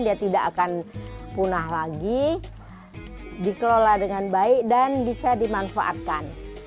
dia tidak akan punah lagi dikelola dengan baik dan bisa dimanfaatkan